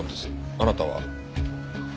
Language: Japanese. あなたは？